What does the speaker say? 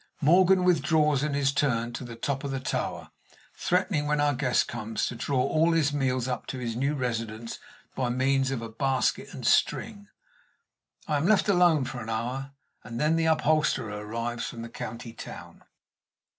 Morgan withdraws in his turn to the top of the tower, threatening, when our guest comes, to draw all his meals up to his new residence by means of a basket and string. I am left alone for an hour, and then the upholsterer arrives from the county town.